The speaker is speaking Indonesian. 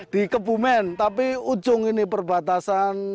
di kebumen tapi ujung ini perbatasan